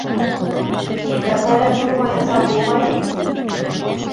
Тик вәғәҙәлә тормайынса булмай бит.